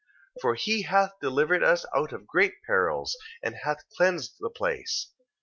2:19. For he hath delivered us out of great perils, and hath cleansed the place. 2:20.